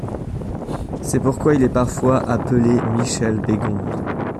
C'est pourquoi il est parfois appelé Michel Bégon.